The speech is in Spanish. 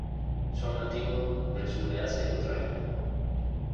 Son nativos del sur de Asia y Australia.